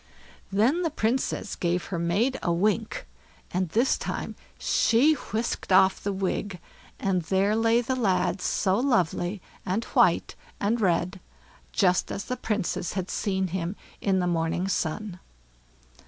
Then the Princess gave her maid a wink, and this time she whisked off the wig; and there lay the lad so lovely, and white and red, just as the Princess had seen him in the morning sun.